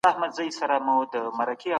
والروس 🦭